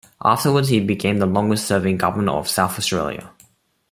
Afterwards, he became the longest-serving Governor of South Australia.